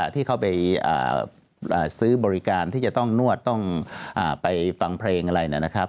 ที่เขาไปซื้อบริการที่จะต้องนวดต้องไปฟังเพลงอะไรนะครับ